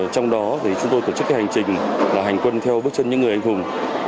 trong đó thì chúng tôi tổ chức cái hành trình là hành quân theo bước chân những người anh hùng